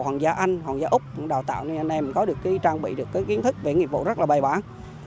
hoàng gia anh hoàng gia úc cũng đào tạo nên anh em có được trang bị được cái kiến thức về nghiệp vụ rất là bài bản